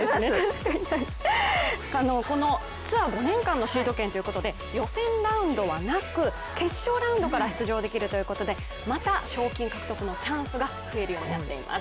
このツアー５年間のシード権ということで予選ラウンドはなく決勝ラウンドから出場できるということでまた賞金獲得のチャンスが増えるようになっています。